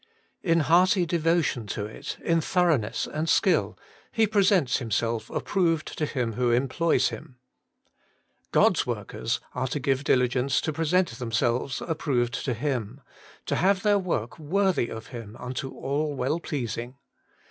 In hearty devotion to it, in thoroughness and skill, he presents himself approved to .him who employs him. God's workers are to give diligence to present themselves ap proved to Him ; to have their work worthy of Him unto all well pleasing.